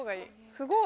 すごい。